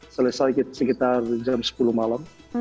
selesai sekitar jam sepuluh malam